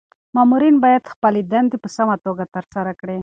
مامورین باید خپلي دندي په سمه توګه ترسره کړي.